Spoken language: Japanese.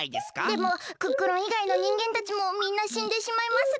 でもクックルンいがいのにんげんたちもみんなしんでしまいますが。